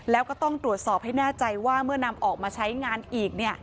แล้วก็ต้องตรวจสอบให้แน่ใจว่าเมื่อนำออกมาใช้งานอีก